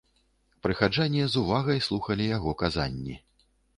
Прыхаджане з увагай слухалі яго казанні.